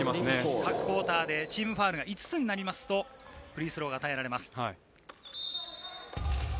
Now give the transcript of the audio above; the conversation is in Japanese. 各クオーター、チームファウルが５つになるとフリースローが与えられます。